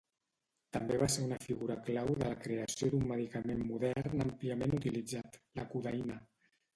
També va ser una figura clau de la creació d'un medicament modern àmpliament utilitzat, la codeïna.